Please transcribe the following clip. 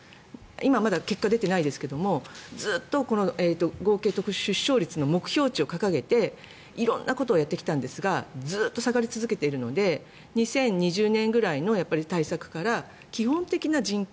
今、まだ結果は出てないですがずっと合計特殊出生率の目標値を掲げて色んなことをやってきたんですがずっと下がり続けているので２０２０年ぐらいの対策から基本的な人権